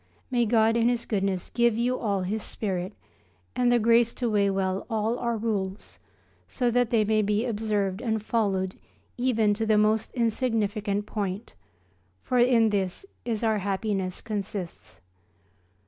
May God in His goodness give you all His spirit, and the grace to weigh well all our Rules, so that they may be observed and followed even to the most insignificant point, for in this our happiness consists.